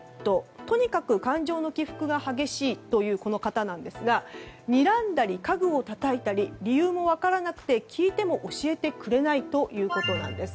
とにかく感情の起伏が激しいという方なんですが睨んだり家具をたたいたり理由が分からなくて聞いても教えてくれないということです。